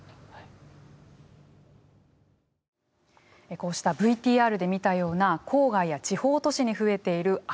こうしたＶＴＲで見たような郊外や地方都市に増えている空き家